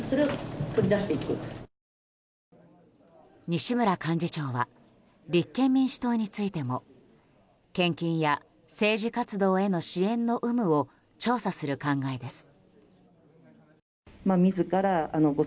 西村幹事長は立憲民主党についても献金や政治活動への支援の有無を調査する考えです。